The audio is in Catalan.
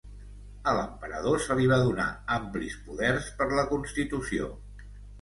A l'emperador se li va donar amplis poders per la Constitució.